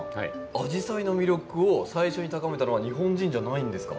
アジサイの魅力を最初に高めたのは日本人じゃないんですか？